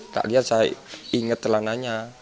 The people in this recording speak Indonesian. tak lihat saya ingat telananya